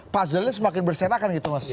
puzzle nya semakin berserakan gitu mas